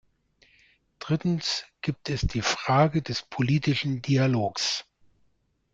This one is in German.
Drittens gibt es die Frage des politischen Dialogs.